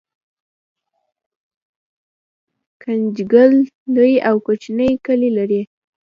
ګنجګل لوی او کوچني کلي لري